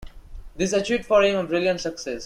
These achieved for him a brilliant success.